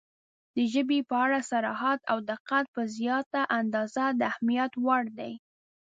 • د ژبې په اړه صراحت او دقت په زیاته اندازه د اهمیت وړ دی.